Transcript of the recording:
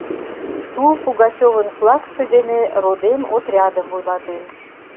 Тул Пугачёвын флагше дене Родем отрядым вуйлатен.